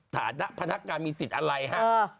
ฐานะพนักงานมีสิทธิ์อะไรฮะ